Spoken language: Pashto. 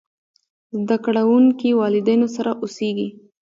زده کړونکي والدينو سره اوسېږي.